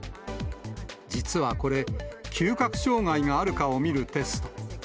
実はこれ、嗅覚障害があるかを見るテスト。